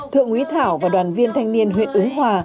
thượng úy thảo và đoàn viên thanh niên huyện ứng hòa